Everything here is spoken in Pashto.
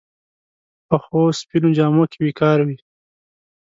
پخو سپینو جامو کې وقار وي